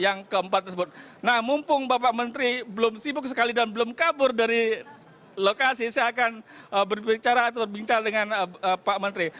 nah mumpung bapak menteri belum sibuk sekali dan belum kabur dari lokasi saya akan berbicara atau berbincang dengan pak menteri